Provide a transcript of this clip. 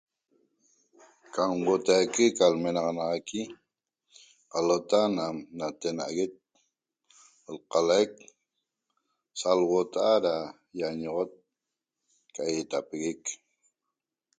Cam huotaique ca lmenaxanaxaqui qalota nam natena'aguet lqalaic salhuota'a ra iañoxot ca eetapeguec